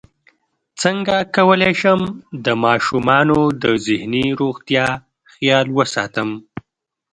څنګه کولی شم د ماشومانو د ذهني روغتیا خیال وساتم